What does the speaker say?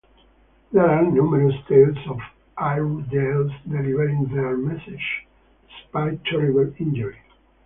There are numerous tales of Airedales delivering their messages despite terrible injury.